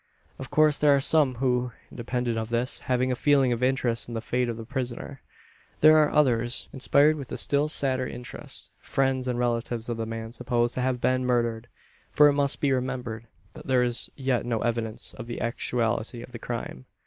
Of course there are some who, independent of this, have a feeling of interest in the fate of the prisoner. There are others inspired with a still sadder interest friends and relatives of the man supposed to have been murdered: for it must be remembered, that there is yet no evidence of the actuality of the crime.